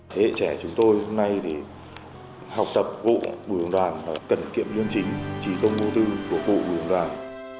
thế hệ trẻ chúng tôi hôm nay thì học tập cụ bùi hồng đoàn là cần kiệm liên chính trí công vô tư của cụ bùi hồng đoàn